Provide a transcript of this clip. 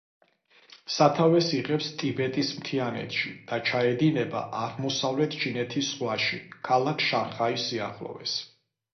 სათავეს იღებს ტიბეტის მთიანეთში და ჩაედინება აღმოსავლეთ ჩინეთის ზღვაში, ქალაქ შანხაის სიახლოვეს.